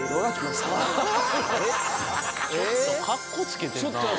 ちょっとかっこつけてるな。